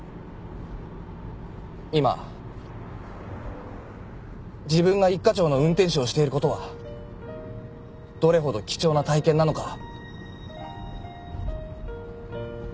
今自分が一課長の運転手をしている事はどれほど貴重な体験なのか。